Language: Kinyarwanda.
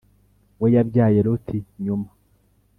We yabyaye loti nyuma